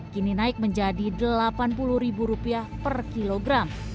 kini naik menjadi rp delapan puluh per kilogram